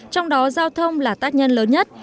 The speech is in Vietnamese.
trong đó giao thông là tác nhân lớn nhất